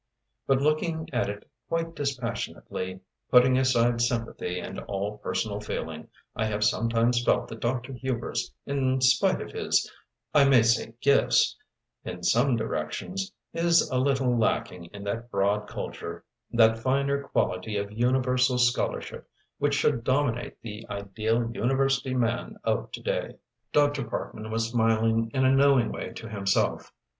"But looking at it quite dispassionately, putting aside sympathy and all personal feeling, I have sometimes felt that Dr. Hubers, in spite of his I may say gifts, in some directions, is a little lacking in that broad culture, that finer quality of universal scholarship which should dominate the ideal university man of to day." Dr. Parkman was smiling in a knowing way to himself.